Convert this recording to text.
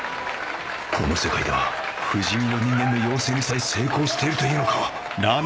この世界では不死身の人間の養成にさえ成功しているというのか！